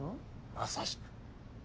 まさしく。